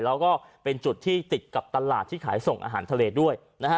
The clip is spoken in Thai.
แล้วก็เป็นจุดที่ติดกับตลาดที่ขายส่งอาหารทะเลด้วยนะฮะ